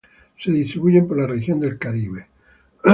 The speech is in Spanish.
Se distribuyen por la región del Caribe.